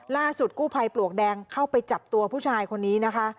ล่าสุดกู้ภัยปลวกแดงเข้าไปจับตัวผู้ชายคนนี้นะคะ